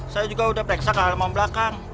saya juga udah pereksa ke halaman belakang